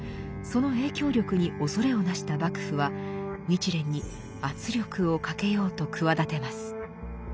その影響力におそれをなした幕府は日蓮に圧力をかけようと企てます。